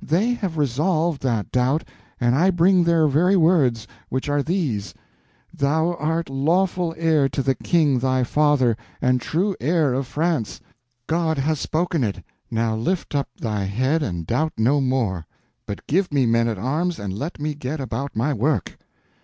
"They have resolved that doubt, and I bring their very words, which are these: Thou art lawful heir to the King thy father, and true heir of France. God has spoken it. Now lift up thy head, and doubt no more, but give me men at arms and let me get about my work."